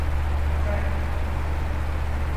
какая